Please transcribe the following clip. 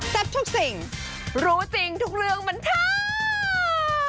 แซ่บชกสิ่งรู้จริงทุกเรื่องบรรทาง